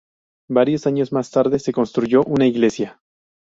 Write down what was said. Varios años más tarde se construyó una iglesia.